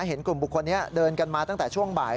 เห็นกลุ่มบุคคลนี้เดินกันมาตั้งแต่ช่วงบ่าย